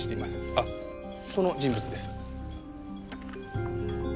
あっこの人物です。